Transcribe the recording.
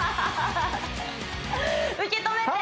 受け止めて！